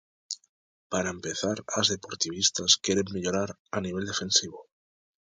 Para empezar as deportivistas queren mellorar a nivel defensivo.